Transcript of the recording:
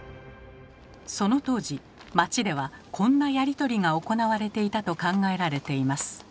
その当時町ではこんなやり取りが行われていたと考えられています。